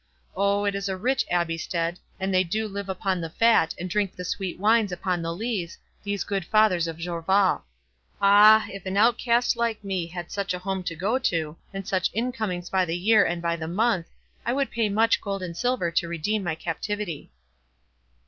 O, it is a rich abbey stede, and they do live upon the fat, and drink the sweet wines upon the lees, these good fathers of Jorvaulx. Ah, if an outcast like me had such a home to go to, and such incomings by the year and by the month, I would pay much gold and silver to redeem my captivity."